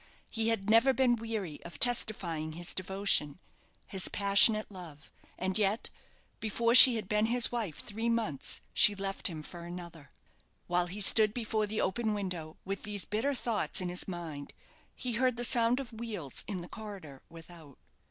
He had never been weary of testifying his devotion, his passionate love; and yet, before she had been his wife three months, she left him for another. While he stood before the open window, with these bitter thoughts in his mind, he heard the sound of wheels in the corridor without.